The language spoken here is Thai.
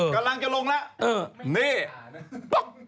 กำลังจะลงแล้ว